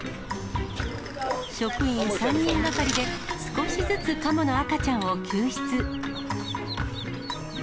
職員３人がかりで少しずつカモの赤ちゃんを救出。